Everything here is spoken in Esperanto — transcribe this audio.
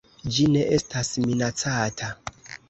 Ĝi ne estas minacata.